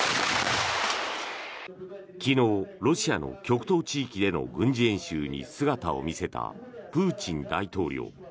昨日、ロシアの極東地域での軍事演習に姿を見せたプーチン大統領。